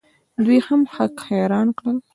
دوی هم هک حیران کړل.